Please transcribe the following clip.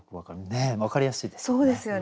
ねっ分かりやすいですよね？